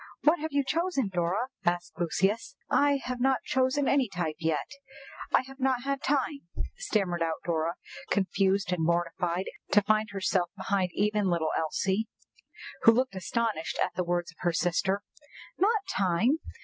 "What have you chosen, Dora?" asked Lucius. "I have not chosen any type yet, I have not had time," stammered out Dora, confused and mortified to find herself behind even little Elsie, who looked astonished at the words of her sister. "Not time!